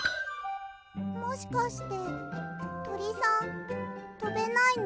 もしかしてとりさんとべないの？